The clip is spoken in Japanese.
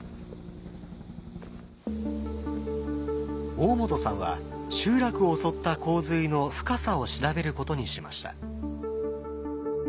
大本さんは集落を襲った洪水の深さを調べることにしました。